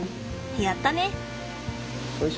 やったね！